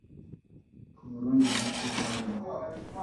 u Burundi na Uganda